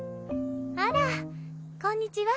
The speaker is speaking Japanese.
あらこんにちは。